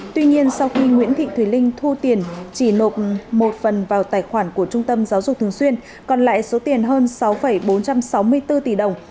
tuy nhiên sau khi nguyễn thị thùy linh thu tiền chỉ nộp một phần vào tài khoản của trung tâm giáo dục thường xuyên còn lại số tiền hơn sáu bốn trăm sáu mươi bốn tỷ đồng